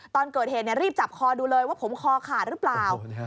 ตอนเกิดเหตุรีบจับคอดูเลยว่าผมคอขาดหรือเปล่า